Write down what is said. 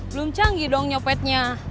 belum canggih dong nyopetnya